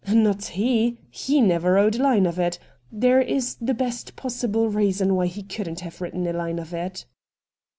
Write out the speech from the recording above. ' Not he — never wrote a line of it. There is the best possible reason why he couldn't have written a line of it.'